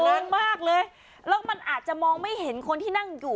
งงมากเลยแล้วมันอาจจะมองไม่เห็นคนที่นั่งอยู่